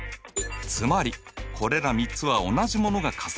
つまりこれら３つは同じものが重なっているんだ。